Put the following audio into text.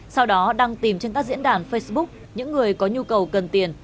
sau đó đăng tìm trên các diễn đàn facebook những người có nhu cầu cần tiền